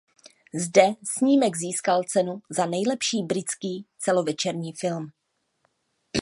Zde snímek získal cenu za nejlepší britský celovečerní film.